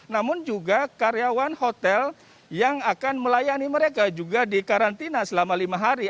namun juga karyawan hotel yang akan melayani mereka juga di karantina selama lima hari